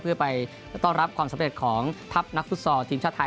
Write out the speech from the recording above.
เพื่อไปต้อนรับความสำเร็จของทัพนักฟุตซอลทีมชาติไทย